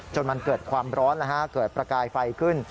จนมันเกิดความร้อนเกิดประกายไฟขึ้น